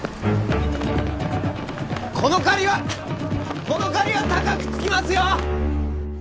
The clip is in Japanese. この借りはこの借りは高くつきますよ！